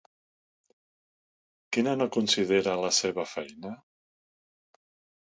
Quina no considera la seva feina?